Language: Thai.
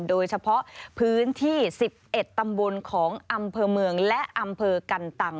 โดยเฉพาะพื้นที่๑๑ตำบลของอำเภอเมืองและอำเภอกันตัง